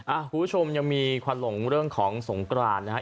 คุณผู้ชมยังมีควันหลงเรื่องของสงกรานนะครับ